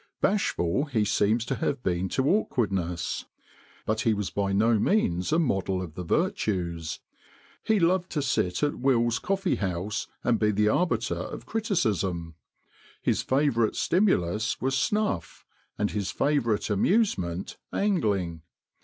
Bashful he seems to have been to awkwardness; but he was by no means a model of the virtues. He loved to sit at Will's coffee house and be the arbiter of criticism. His favourite stimulus was snuff, and his favourite amusement angling.